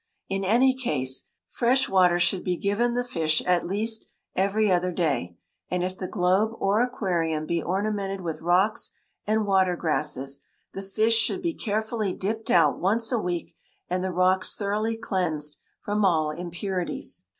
In any case, fresh water should be given the fish at least every other day, and if the globe or aquarium be ornamented with rocks and water grasses, the fish should be carefully dipped out once a week, and the rocks thoroughly cleansed from all impurities.